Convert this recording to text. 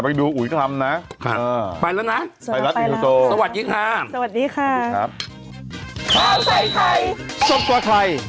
ไปดูอุ๋ยกำลังนะไปแล้วนะสวัสดีค่ะ